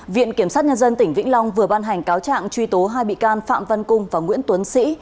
viện kiểm sát nhân dân tỉnh vĩnh long vừa ban hành cáo trạng truy tố hai bị can phạm văn cung và nguyễn tuấn sĩ